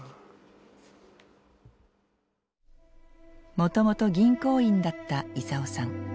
もともと銀行員だった功さん。